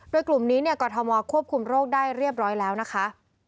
โดยกลุ่มนี้กรทมควบคุมโรคได้เรียบร้อยแล้วนะคะ